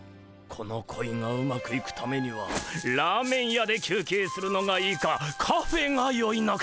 この恋がうまくいくためにはラーメン屋で休憩するのがいいかカフェがよいのか。